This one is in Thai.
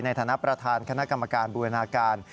ในฐานะประธานคณะกรรมการบูรณาการ